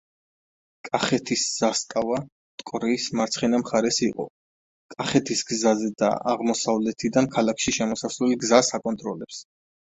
კახეთის „ზასტავა“ მტკვრის მარცხენა მხარეს იყო, კახეთის გზაზე და აღმოსავლეთიდან ქალაქში შემოსასვლელ გზას აკონტროლებს.